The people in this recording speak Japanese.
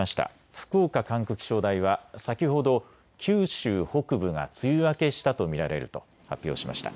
福岡管区気象台は先ほど九州北部が梅雨明けしたと見られると発表しました。